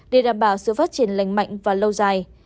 để đảm bảo sự phát triển lành mạnh và lâu dài